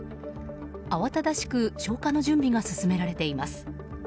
あわただしく消火の準備が進められています。